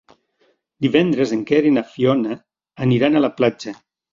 Divendres en Quer i na Fiona aniran a la platja.